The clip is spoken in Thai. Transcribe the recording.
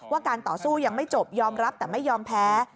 การต่อสู้ยังไม่จบยอมรับแต่ไม่ยอมแพ้